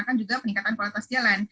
dan juga peningkatan kualitas jalan